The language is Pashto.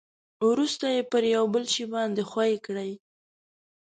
ورسته یې پر یو بل شي باندې ښوي کړئ.